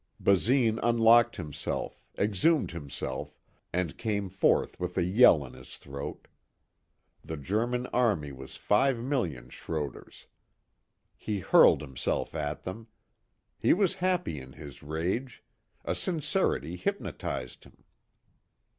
Basine unlocked himself, exhumed himself, and came forth with a yell in his throat. The German army was five million Schroders. He hurled himself at them. He was happy in his rage. A sincerity hypnotized him.